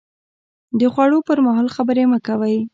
د خوړو پر مهال خبرې مه کوئ